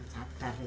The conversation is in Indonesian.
satu hari ini